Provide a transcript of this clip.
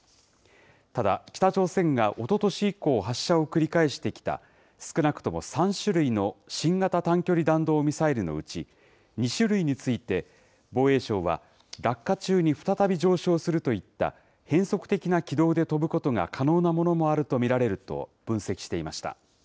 ただ、北朝鮮がおととし以降、発射を繰り返してきた、少なくとも３種類の新型短距離弾道ミサイルのうち、２種類について、防衛省は、落下中に再び上昇するといった、変則的な軌道で飛ぶことが可能なものもあると見られると分析していました。